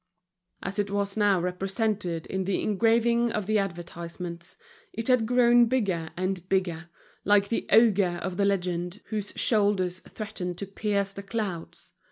As it was now represented in the engraving of the advertisements, it had grown bigger and bigger, like the ogre of the legend, whose shoulders threatened to pierce the clouds.